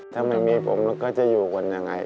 แต่ในนักบินพระพุทธเนี่ย